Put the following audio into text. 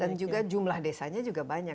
dan juga jumlah desanya juga banyak